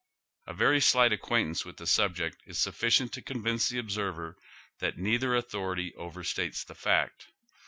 A very slight acquaintance vi ith the subject is suffi cient to convince the observer that neither authority over states the fact.